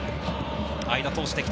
間を通してきた。